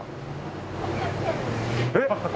えっ？